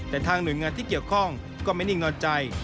แต่ทางหน่วยงานที่เกี่ยวข้องก็ไม่นิ่งนอนใจ